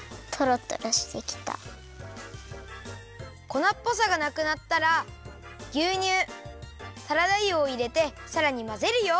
こなっぽさがなくなったらぎゅうにゅうサラダ油をいれてさらにまぜるよ！